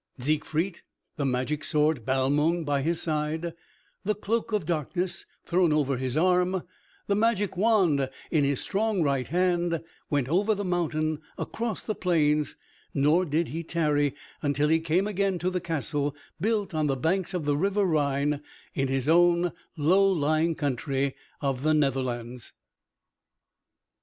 Siegfried, the magic sword Balmung by his side, the Cloak of Darkness thrown over his arm, the Magic Wand in his strong right hand, went over the mountain, across the plains, nor did he tarry until he came again to the castle built on the banks of the river Rhine in his own low lying country of the Netherlands.